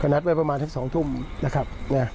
นัดไว้ประมาณสัก๒ทุ่มนะครับ